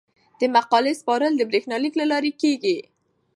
د مقالې سپارل د بریښنالیک له لارې کیږي.